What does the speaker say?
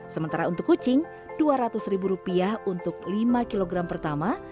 sementara untuk kucing dua ratus ribu rupiah untuk lima kg pertama